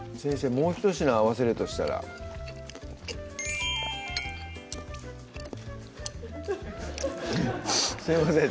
もうひと品合わせるとしたらすいません